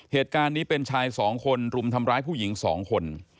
เหตุการณ์นี้เป็นชายสองคนรุมทำร้ายผู้หญิง๒คน